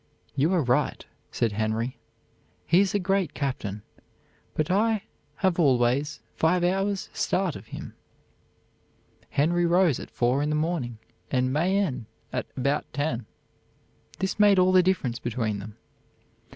"You are right," said Henry, "he is a great captain, but I have always five hours' start of him." Henry rose at four in the morning, and Mayenne at about ten. This made all the difference between them.